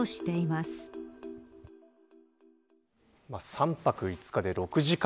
３泊５日で６時間。